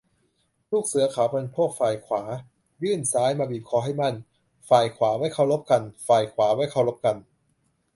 ลูกเสือเขาเป็นพวกฝ่ายขวา ยื่นซ้ายมาบีบคอให้มั่น ฝ่ายขวาไว้เคารพกัน ฝ่ายขวาไว้เคารพกัน